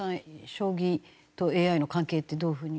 将棋とＡＩの関係ってどういう風に？